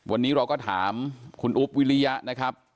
วันนี้เราก็ถามคุณอุ๊บวิริยะนะครับ